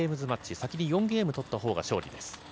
先に４ゲーム取ったほうが勝利です。